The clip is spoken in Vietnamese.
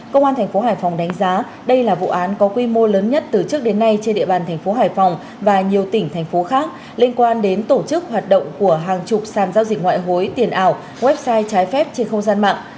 công an thành phố hải phòng đánh giá đây là vụ án có quy mô lớn nhất từ trước đến nay trên địa bàn thành phố hải phòng và nhiều tỉnh thành phố khác liên quan đến tổ chức hoạt động của hàng chục sàn giao dịch ngoại hối tiền ảo website trái phép trên không gian mạng